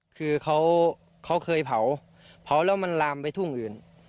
คือเขาเคยเผาเผาแล้วมันลามไปทุ่งอื่น